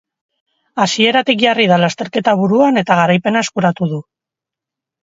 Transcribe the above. Hasieratik jarri da lasterketa buruan eta garaipena eskuratu du.